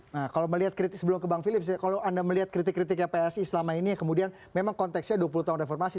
nah kalau melihat kritik sebelum ke bang philip kalau anda melihat kritik kritiknya psi selama ini yang kemudian memang konteksnya dua puluh tahun reformasi